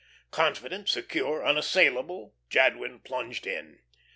Confident, secure, unassailable, Jadwin plunged in.